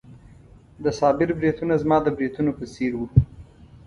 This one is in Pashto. د صابر بریتونه زما د بریتونو په څېر وو.